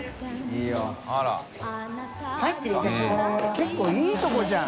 結構いいとこじゃん。